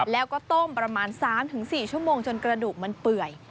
แล้วก็ต้มประมาณ๓๔ชั่วโมงจนกระดูกมันเปื่อย